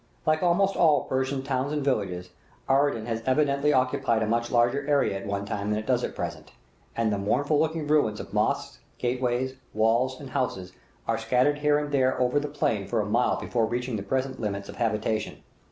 Like almost all Persian towns and villages, Aradan has evidently occupied a much larger area at one time than it does at present; and the mournful looking ruins of mosques, gateways, walls, and houses are scattered here and there over the plain for a mile before reaching the present limits of habitation.